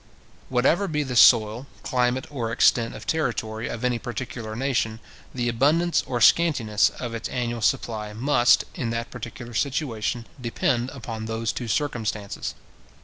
Whatever be the soil, climate, or extent of territory of any particular nation, the abundance or scantiness of its annual supply must, in that particular situation, depend upon those two circumstances.